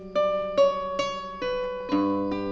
neng mah kayak gini